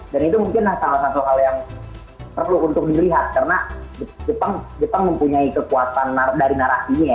dan itu mungkin salah satu hal yang perlu untuk dilihat karena jepang mempunyai kekuatan dari narasinya